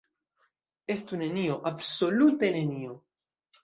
Estu nenio, absolute nenio!